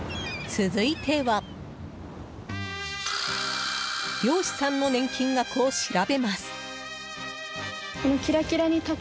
続いては漁師さんの年金額を調べます。